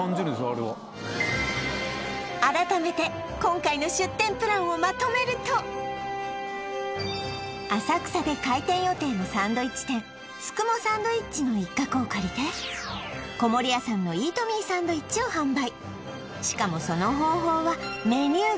あれは改めて今回の出店プランをまとめると浅草で開店予定のサンドイッチ店ツクモサンドイッチの一角を借りて籠谷さんのイートミーサンドイッチを販売しかもその方法はメニュー